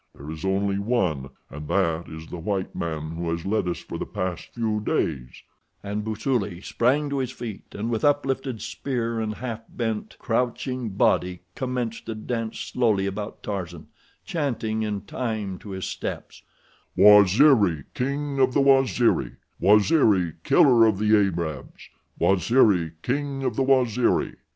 There is only one, and that is the white man who has led us for the past few days," and Busuli sprang to his feet, and with uplifted spear and half bent, crouching body commenced to dance slowly about Tarzan, chanting in time to his steps: "Waziri, king of the Waziri; Waziri, killer of Arabs; Waziri, king of the Waziri."